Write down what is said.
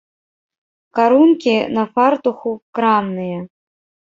Карункі на фартуху крамныя.